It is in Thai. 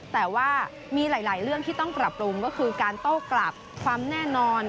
แต่ว่ามีหลายเรื่องที่ต้องกระปรุง